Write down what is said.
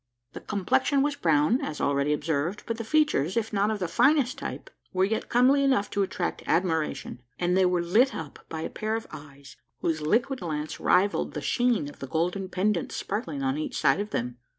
The complexion was brown, as already observed; but the features, if not of the finest type, were yet comely enough to attract admiration; and they were lit up by a pair of eyes, whose liquid glance rivalled the sheen of the golden pendants sparkling on each side of them.